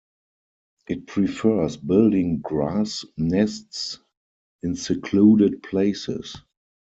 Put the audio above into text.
It prefers building grass nests in secluded places.